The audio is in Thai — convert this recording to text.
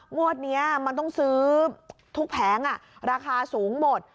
งวดนี้มันต้องซื้อทุกแผงราคาสูงหมด